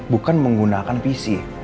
bukan menggunakan pc